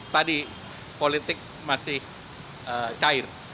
tadi politik masih cair